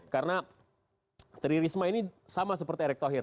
karena tri risma ini sama seperti erek tohir